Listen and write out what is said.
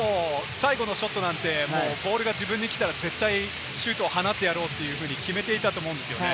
最後のショットなんて、ボールが自分に来たら、絶対シュートを放ってやろうというふうに決めていたと思うんですよね。